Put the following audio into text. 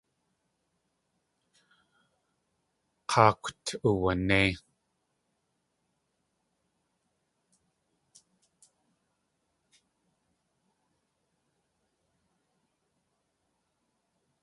K̲áakwt uwanéi.